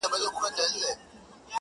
دومره بې خونده نمونه مې نه وه